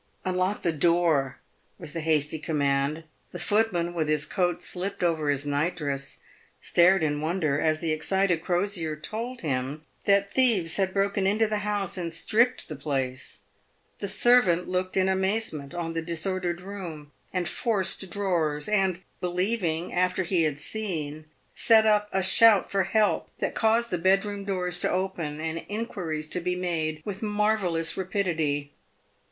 " Unlock the door," was the hasty command. The footman, with his coat slipped over his night dress, stared in wonder, as the excited Crosier told him that thieves had broken into the house and stripped the place. The servant looked in amaze on the disordered room and forced drawers, and believing after he had seen, set up a shout for 406 PAVED WITH GOLD. help that caused the bedroom doors to open and inquiries to be made with marvellous rapidity.